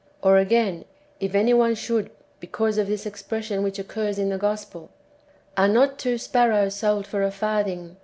Or again, if any one should, because of this expression which occurs in the Gospel, "Are not two sparrows sold for a farthing?